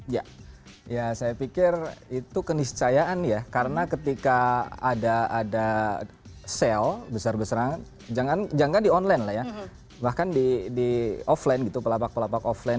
ya ya saya pikir itu keniscayaan ya karena ketika ada sale besar besaran jangan di online lah ya bahkan di offline gitu pelapak pelapak offline